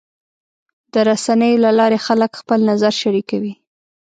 د رسنیو له لارې خلک خپل نظر شریکوي.